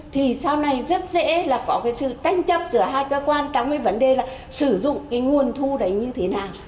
thì sau này rất dễ là có cái sự tranh chấp giữa hai cơ quan trong cái vấn đề là sử dụng cái nguồn thu đấy như thế nào